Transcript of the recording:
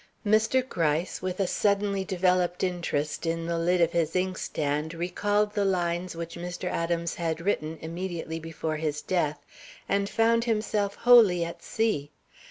Mr. Gryce, with a suddenly developed interest in the lid of his inkstand, recalled the lines which Mr. Adams had written immediately before his death, and found himself wholly at sea.